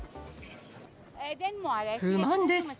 不満です。